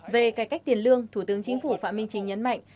về cải cách tiền lương thủ tướng chính phủ phạm minh chính nhấn mạnh